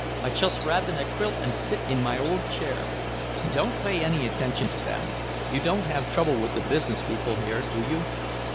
I chust wrap in a quilt and sit in my old chair." "Don't pay any attention to them. You don't have trouble with the business people here, do you?"